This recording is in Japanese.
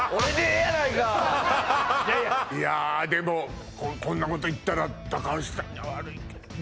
いやでもこんなこと言ったら高橋さんには悪いけど何？